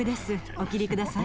お切りください